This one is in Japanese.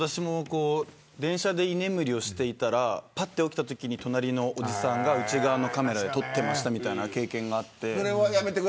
電車で居眠りをしていたら起きたときに隣のおじさんが内側のカメラで撮っていたという経験があって。